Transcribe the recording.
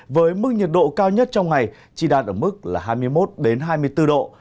với mức nhiệt độ cao nhất trong ngày chỉ đạt ở mức hai mươi một hai mươi bốn độ